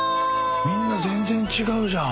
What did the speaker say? みんな全然違うじゃん！